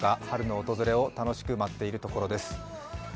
春の訪れを楽しく待っているところです。